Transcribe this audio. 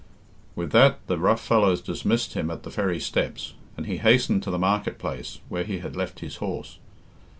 With that the rough fellows dismissed him at the ferry steps, and he hastened to the market place, where he had left his horse.